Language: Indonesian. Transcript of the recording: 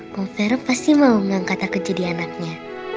romvero pasti mau mengangkat aku jadi anaknya